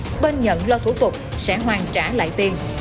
ông tôn nhận lo thủ tục sẽ hoàn trả lại tiền